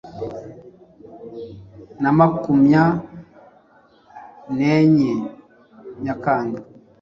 na makumya nenye nyakanga